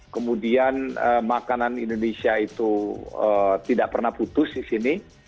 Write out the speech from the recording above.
kemudian makanan indonesia itu tidak pernah putus di sini